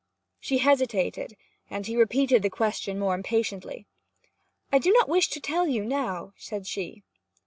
She hesitated, and he repeated the question more impatiently. 'I do not wish to tell you now,' said she.